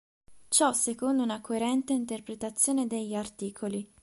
Ciò secondo una coerente interpretazione degli artt.